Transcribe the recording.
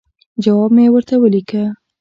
جواب مې ورته ولیکه.